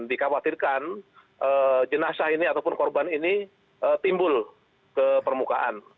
dikhawatirkan jenazah ini ataupun korban ini timbul ke permukaan